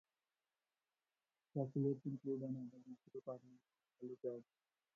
Facilities include an emergency department and helipad.